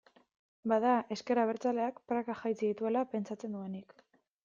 Bada ezker abertzaleak prakak jaitsi dituela pentsatzen duenik.